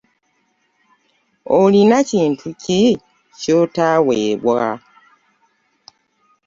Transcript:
Olina kintu ki ky'otaaweebwa?